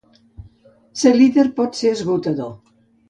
Ser el líder pot ser esgotador.